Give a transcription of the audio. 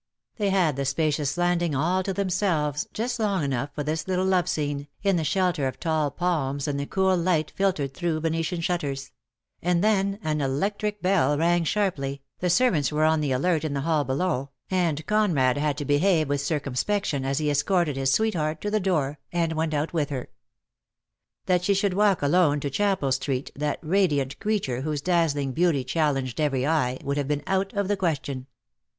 They had the spacioUs landing all to them selves just long enough for this little love scene, in the shelter of tall palms and the cool light filtered through Venetian shutters; and then an electric bell rang sharply, the servants were on the alert in the hall below, and Conrad had to behave with circumspection as he escorted his sweetheart to the door and went out with her. That she should walk alone to Chapel Street, that radiant creature whose dazzling beauty challenged every eye, would have been out of the question.